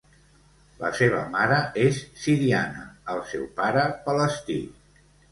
La seva mare és siriana, el seu pare palestí.